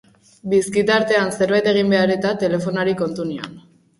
Bizkitartean zerbait egin behar-eta, telefonoari kontu nion.